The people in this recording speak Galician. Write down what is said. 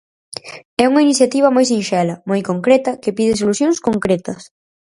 É unha iniciativa moi sinxela, moi concreta, que pide solucións concretas.